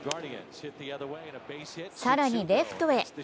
さらにレフトへ。